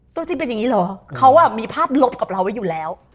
ตัวจริงเป็นอย่างนี้เหรอเขามีภาพลบกับเราไว้อยู่แล้ว